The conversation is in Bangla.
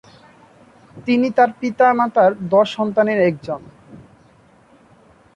তিনি তার পিতামাতার দশ সন্তানের একজন।